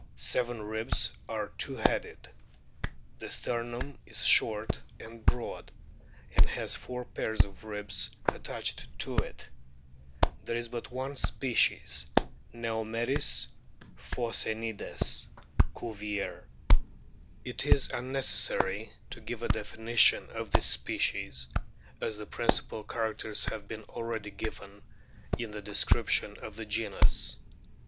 Seven ribs are two headed. The sternum is short and broad and has four pairs of ribs attached to it. There is but one species, Neomeris phocanoides, Cuvier.] It is unnecessary to give a definition of this species, as the principal characters have been already given in the description of the genus.